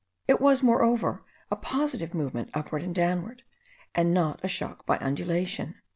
It was, moreover, a positive movement upward and downward, and not a shock by undulation.